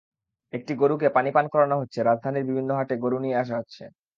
একটি গরুকে পানি পান করানো হচ্ছেরাজধানীর বিভিন্ন হাটে গরু নিয়ে আসা হচ্ছে।